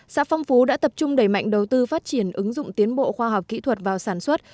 xã phong phú đã tập trung đẩy mạnh đầu tư phát triển ứng dụng tiến bộ khoa học kỹ thuật vào sản xuất